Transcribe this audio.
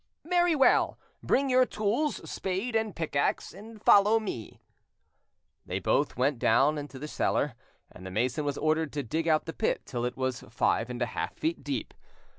"Very well! Bring your tools, spade, and pickaxe, and follow me." They both went down to the cellar, and the mason was ordered to dig out the pit till it was five and a half feet deep.